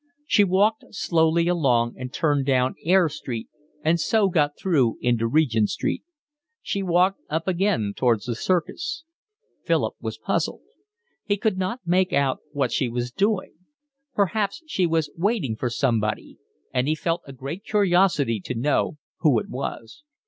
She walked slowly along and turned down Air Street and so got through into Regent Street. She walked up again towards the Circus. Philip was puzzled. He could not make out what she was doing. Perhaps she was waiting for somebody, and he felt a great curiosity to know who it was.